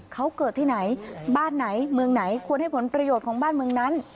เขาเกิดที่ไหนบ้านไหนเมืองไหนควรให้ผลประโยชน์ของบ้านเมืองนั้น